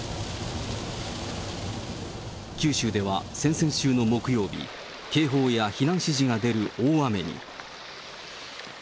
九州では先々週の木曜日、警報や避難指示が出る大雨に。